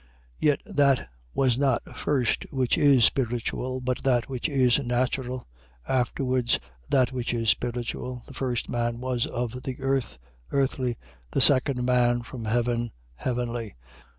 15:46. Yet that was not first which is spiritual, but that which is natural: afterwards that which is spiritual. 15:47. The first man was of the earth, earthly: the second man, from heaven, heavenly.